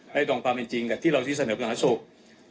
ได้ตรงความเป็นจริงกับที่เราที่เสนอประสงค์ศักดิ์ส่วนศักดิ์สุข